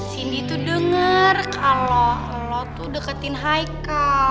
sini tuh denger kalo lo tuh deketin haikal